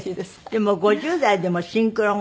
でも５０代でもシンクロが。